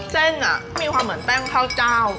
เส้นมีความเหมือนแป้งข้าวเจ้า